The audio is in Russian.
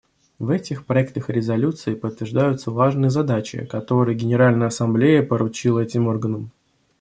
В этих проектах резолюций подтверждаются важные задачи, которые Генеральная Ассамблея поручила этим органам.